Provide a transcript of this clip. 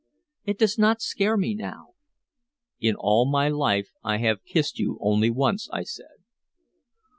It does not scare me now." "In all my life I have kissed you only once," I said.